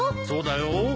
そうだよ。